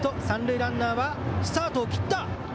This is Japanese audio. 三塁ランナーはスタートを切った。